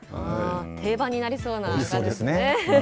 定番になりそうな感じですね。